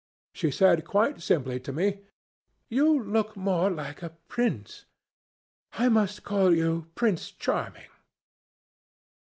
She said quite simply to me, 'You look more like a prince. I must call you Prince Charming.